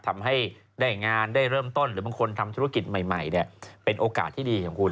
ทำให้ได้งานได้เริ่มต้นหรือบางคนทำธุรกิจใหม่เป็นโอกาสที่ดีของคุณ